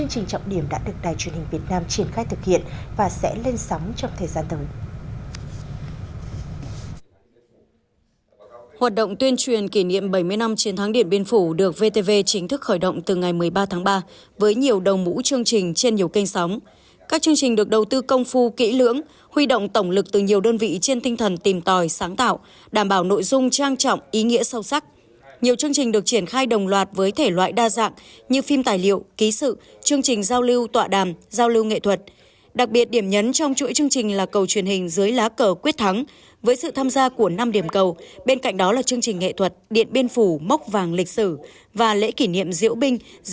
nhiều chương trình trọng điểm đã được đài truyền hình việt nam triển khai thực hiện và sẽ lên sóng trong thời gian tới